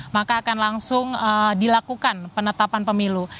maka akan langsung dilakukan penetapan pemilu